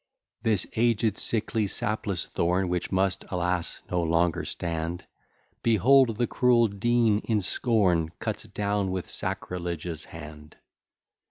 This aged, sickly, sapless thorn, Which must, alas! no longer stand, Behold the cruel Dean in scorn Cuts down with sacrilegious hand.